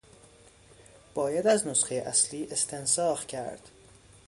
باید از نسخهٔ اصلی استنساخ کرد.